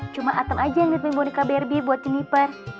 cuma atang aja yang nitipin boneka barbie buat jeniper